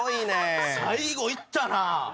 最後いったなぁ。